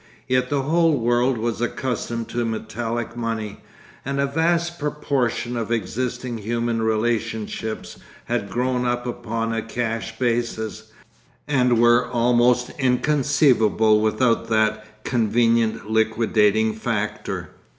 Yet the whole world was accustomed to metallic money, and a vast proportion of existing human relationships had grown up upon a cash basis, and were almost inconceivable without that convenient liquidating factor.